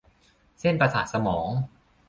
เส้นประสาทสมอง